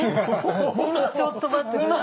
ちょっと待って。